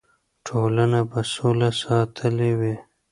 ټولنه به سوله ساتلې وي.